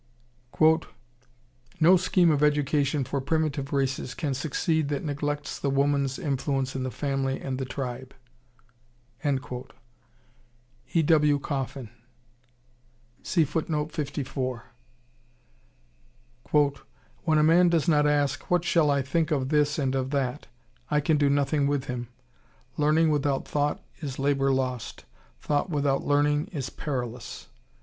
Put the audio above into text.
"No scheme of education for primitive races can succeed that neglects the woman's influence in the family and the tribe." E. W. Coffin. "When a man does not ask, 'What shall I think of this and of that?' I can do nothing with him. Learning without thought is labor lost; thought without learning is perilous."